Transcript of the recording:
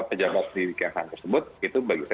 pejabat di kemhan tersebut itu bagi saya